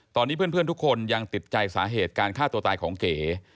ตอนนี้เพื่อนทุกคนยังติดใจสาเหตุการฆ่าตัวตายของเก๋